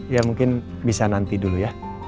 ya mungkin bisa nanti dulu ya